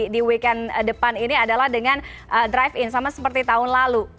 di weekend depan ini adalah dengan drive in sama seperti tahun lalu